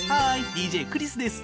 ＤＪクリスです。